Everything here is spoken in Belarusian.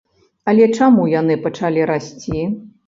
Але чаму яны пачалі расці?